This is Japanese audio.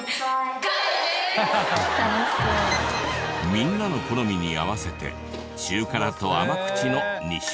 みんなの好みに合わせて中辛と甘口の２種類を。